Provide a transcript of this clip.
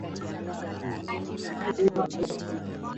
Oka kwenye jiko lenye moto wa wastani mdogo